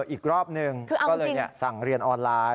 อีกรอบหนึ่งก็เลยสั่งเรียนออนไลน์